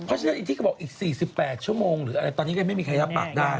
เพราะฉะนั้นที่เขาบอกอีก๔๘ชั่วโมงตอนนี้ก็ไม่มีใครทับปากได้